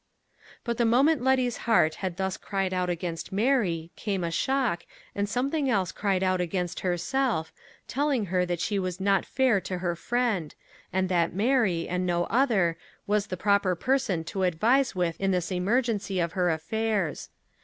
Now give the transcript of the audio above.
But the moment Letty's heart had thus cried out against Mary, came a shock, and something else cried out against herself, telling her that she was not fair to her friend, and that Mary, and no other, was the proper person to advise with in this emergency of her affairs.